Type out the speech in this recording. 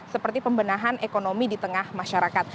seperti pembenahan ekonomi di tengah masyarakat